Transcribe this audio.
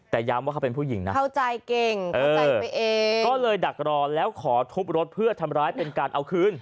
แต่ย้ำว่าเขาเป็นผู้หญิงนะเข้าใจเก่งเข้าใจไปเองก็เลยดักรอแล้วขอทุบรถเพื่อทำร้ายเป็นการเอาคืน